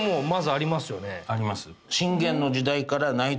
あります。